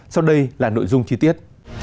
sau đây là nội dung chi tiết